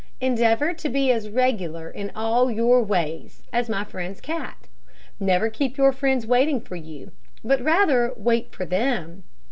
Endeavour to be as regular in all your ways as my friend's cat. Never keep your friends waiting for you, but rather wait for them.